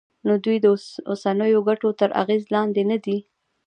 نو دوی د اوسنیو ګټو تر اغېز لاندې ندي.